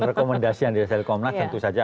rekomendasi yang dihasil komnas tentu saja